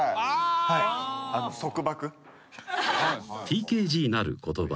［ＴＫＧなる言葉。